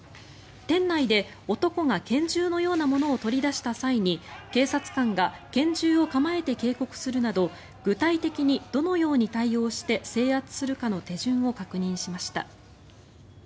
店内で男が拳銃のようなものを取り出した際に警察官が拳銃を構えて警告するなど具体的にどのように対応して制圧するかの手順を確認しました。